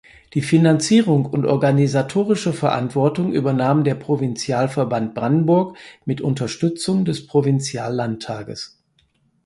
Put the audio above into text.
Die Finanzierung und organisatorische Verantwortung übernahm der Provinzialverband Brandenburg mit Unterstützung des Provinziallandtages.